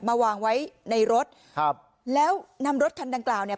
มาวางไว้ในรถครับแล้วนำรถคันดังกล่าวเนี่ย